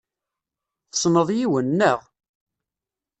Tessneḍ yiwen, naɣ?